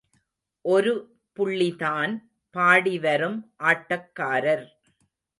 ஒரு புள்ளிதான் பாடி வரும் ஆட்டக்காரர்.